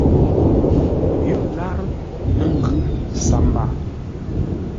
Yo lárə́ ə́ ngʉ̌ sambaa.